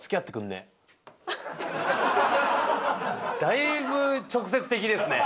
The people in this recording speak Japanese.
だいぶ直接的ですね。